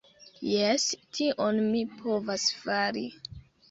Jes, tion mi povas fari